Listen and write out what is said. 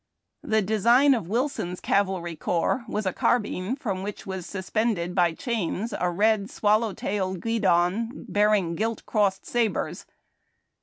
The design of Wilson's Cavalry Corps was a carbine from which was suspended by chains a red, swallow tail guidon, bearing gilt crossed sabres.